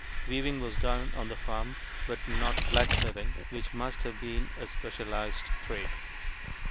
Weaving was done on the farm, but not blacksmithing, which must have been a specialized trade.